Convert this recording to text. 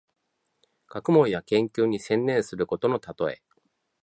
学問や研究に専念することのたとえ。